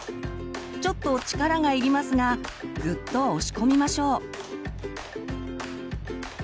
ちょっと力が要りますがグッと押し込みましょう。